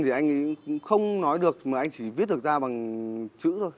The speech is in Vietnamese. thì anh ấy không nói được mà anh ấy chỉ viết được ra bằng chữ thôi